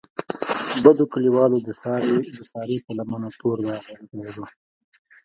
بدو کلیوالو د سارې په لمنه تور داغ ولګولو.